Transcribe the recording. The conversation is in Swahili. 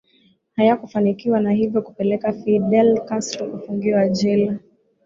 Hayakufanikiwa na hivyo kupelekea Fidel Castro kufungwa jela